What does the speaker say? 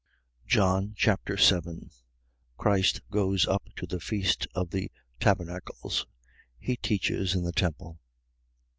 John Chapter 7 Christ goes up to the feast of the tabernacles. He teaches in the temple.